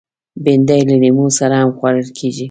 بېنډۍ له لیمو سره هم خوړل کېږي